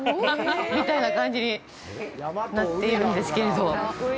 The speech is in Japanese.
みたいな感じになっているんですけれど。